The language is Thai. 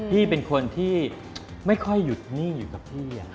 พี่เป็นคนที่ไม่ค่อยหยุดนิ่งอยู่กับพี่